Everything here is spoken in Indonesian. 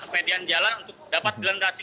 median jalan untuk dapat dilandasi